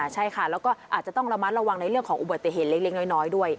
ใช่ค่ะแล้วก็อาจจะต้องระมัดระวังในเรื่องของอุบัติเหตุเล็กน้อยด้วย